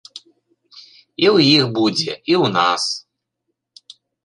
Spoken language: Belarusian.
І ў іх будзе, і ў нас.